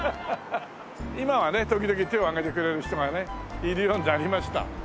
今はね時々手を上げてくれる人がねいるようになりました。